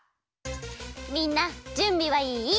みんなじゅんびはいい？